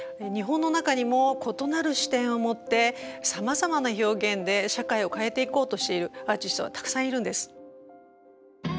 日本の中にも異なる視点を持ってさまざまな表現で社会を変えていこうとしているアーティストはたくさんいるんです。